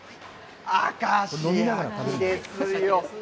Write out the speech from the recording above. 明石焼きですよ。